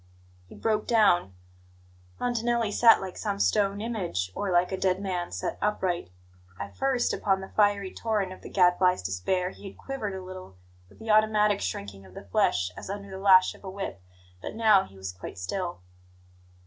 He broke down. Montanelli sat like some stone image, or like a dead man set upright. At first, under the fiery torrent of the Gadfly's despair, he had quivered a little, with the automatic shrinking of the flesh, as under the lash of a whip; but now he was quite still.